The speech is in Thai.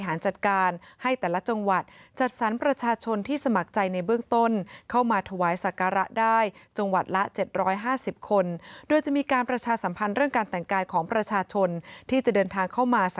สถานจัดการให้แต่ละจังหวัดจัดสรรประชาชนที่สมัครใจในเบื้องต้นเข้ามาถวายศักราะได้จังหวัดละ๗๕๐คน